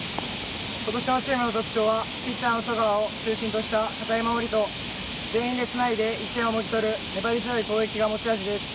今年のチームの特徴はピッチャーの十川を中心とした堅い守りと、全員でつないで１点をもぎ取る粘り強い攻撃が持ち味です。